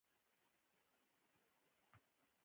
د اندازې سیسټمونه